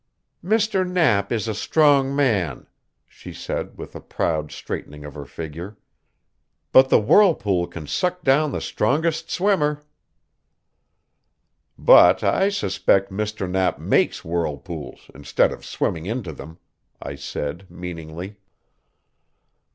"Mr. Knapp is a strong man," she said with a proud straightening of her figure. "But the whirlpool can suck down the strongest swimmer." "But I suspect Mr. Knapp makes whirlpools instead of swimming into them," I said meaningly.